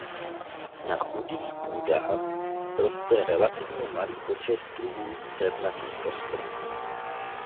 Na chudých půdách roste relativně malý počet druhů cévnatých rostlin.